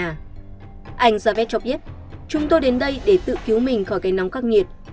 anh javed cho biết chúng tôi đến đây để tự cứu mình khỏi cây nóng các nhiệt